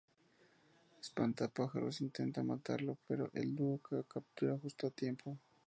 Espantapájaros intenta matarlo pero el dúo lo captura justo a tiempo.